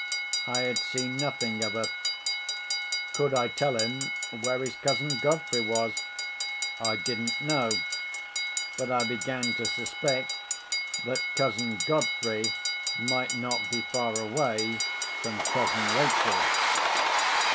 I had seen nothing of her. Could I tell him where his cousin Godfrey was? I didn't know; but I began to suspect that cousin Godfrey might not be far away from cousin Rachel.